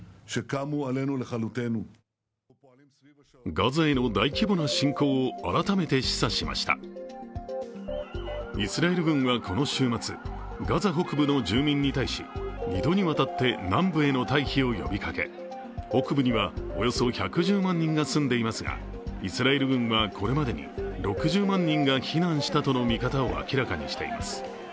ガザへの大規模な侵攻を改めて示唆しましたイスラエル軍はこの週末、ガザ北部の住民に対し、２度にわたって南部への退避を呼びかけ、北部にはおよそ１１０万人が住んでいますがイスラエル軍はこれまでに６０万人が避難したとの見方を明らかにしています。